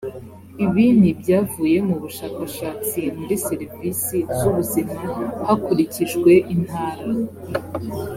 ibi ni ibyavuye mu bushakashatsi muri serivisi z ubuzima hakurikijwe intara